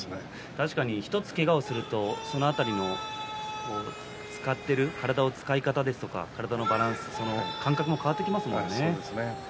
確かに１つけがをするとその辺りの体の使い方バランスも変わってきますね。